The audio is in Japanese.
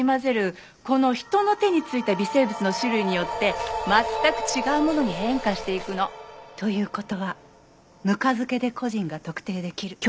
この人の手についた微生物の種類によって全く違うものに変化していくの。という事はぬか漬けで個人が特定できる。